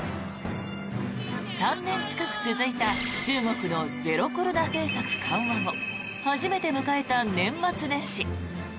３年近く続いた中国のゼロコロナ政策緩和後初めて迎えた年末年始。